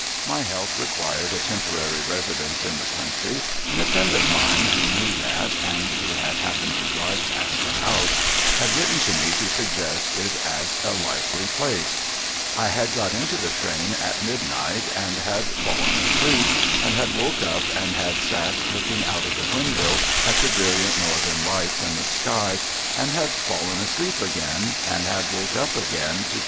My health required a temporary residence in the country ; and a friend of mine who knew that, and who had happened to drive past the house, had written to me to suggest it as a likely place. I had got into the train at midnight, and had fallen asleep, and had woke up and had sat looking out of window at the brilliant Northern Lights in the sky, and had fallen asleep again, and had woke up again to * The original has eight chapters, which will be found in A// the Year Round, vol.